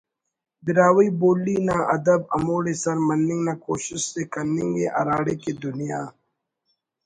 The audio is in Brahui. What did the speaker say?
براہوئی بولی نا ادب ہموڑے سر مننگ نا کوشست ءِ کننگ ءِ ہراڑے کہ دنیا